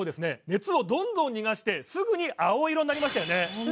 熱をどんどん逃がしてすぐに青色になりましたよね